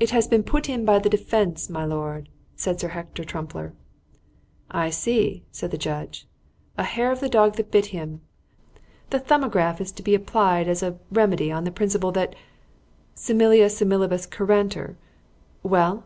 "It has been put in by the defence, my lord," said Sir Hector Trumpler. "I see," said the judge. "'A hair of the dog that bit him.' The 'Thumbograph' is to be applied as a remedy on the principle that similia similibus curantur. Well?"